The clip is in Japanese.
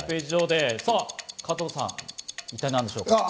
加藤さん、一体何でしょうか？